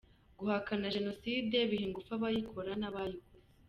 Guhakana Jenoside biha ingufu abayikora n’abayikoze.